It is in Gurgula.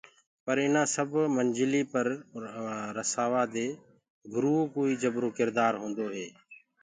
پر اِنآ سب منجليٚ پر رسآوآ مي گُرو ڪوئي جبرو ڪِردآر هوندو هي۔